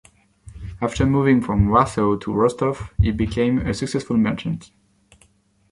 After moving from Warsaw to Rostov, he became a successful merchant.